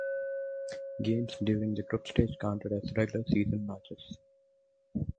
Games during the group stage counted as regular season matches.